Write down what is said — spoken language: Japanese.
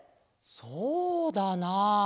そうだな。